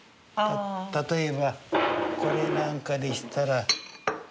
例えばこれなんかでしたら。